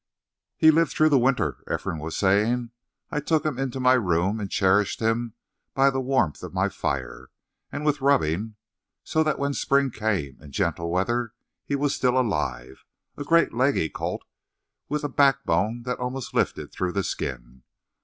"He lived through the winter," Ephraim was saying. "I took him into my room and cherished him by the warmth of my fire and with rubbing, so that when spring came, and gentler weather, he was still alive a great leggy colt with a backbone that almost lifted through the skin.